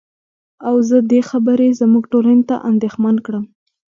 او زه دې خبرې زمونږ ټولنې ته اندېښمن کړم.